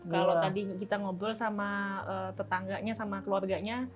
kalau tadi kita ngobrol sama tetangganya sama keluarganya